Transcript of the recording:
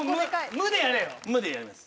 無でやります。